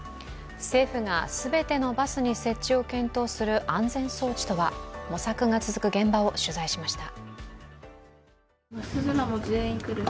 政府が、すべてのバスに設置を検討する、安全装置とは模索が続く現場を取材しました。